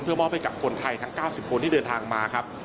มอบให้กับคนไทยทั้ง๙๐คนที่เดินทางมาครับ